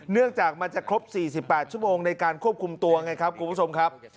เนื่องจากมันจะครบ๔๘ชั่วโมงในการควบคุมตัวไงครับ